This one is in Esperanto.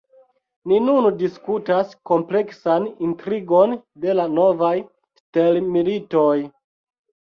Ni nun diskutas kompleksan intrigon de la novaj stelmilitoj